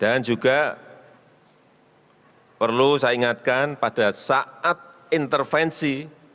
dan juga perlu saya ingatkan pada saat intervensi